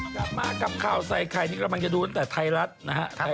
กลับมากับข่าวไซคายนี้กำลังจะดูตั้งแต่ไทยรัฐนะครับ